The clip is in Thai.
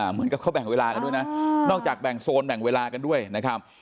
เหมือนกับเขาแบ่งเวลากันด้วยนะนอกจากแบ่งโซนแบ่งเวลากันด้วยนะครับ